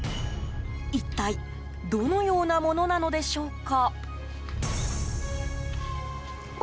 一体どのようなものなのでしょうか。